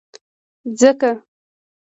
ځکه،